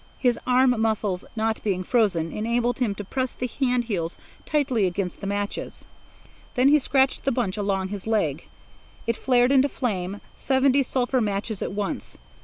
His arm muscles not being frozen enabled him to press the hand heels tightly against the matches. Then he scratched the bunch along his leg. It flared into flame, seventy sulphur matches at once!